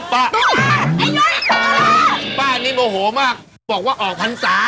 ป๊าอย่อยตุลาป๊านี่โอโหมากบอกว่าออกปันสา